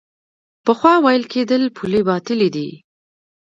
پخوا ویل کېدل پولې باطلې دي.